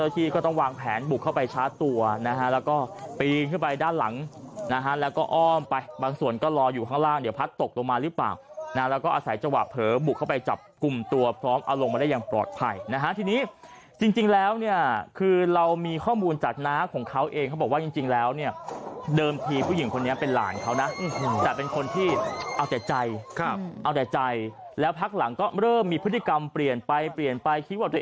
ที่ก็ต้องวางแผนบุกเข้าไปช้าตัวนะฮะแล้วก็ปีนขึ้นไปด้านหลังนะฮะแล้วก็อ้อมไปบางส่วนก็รออยู่ข้างล่างเดี๋ยวพัดตกลงมาหรือเปล่านะแล้วก็อาศัยจวาเผลอบุกเข้าไปจับกลุ่มตัวพร้อมเอาลงมาได้ยังปลอดภัยนะฮะทีนี้จริงจริงแล้วเนี่ยคือเรามีข้อมูลจากน้าของเขาเองเขาบอกว่าจริงจริงแล้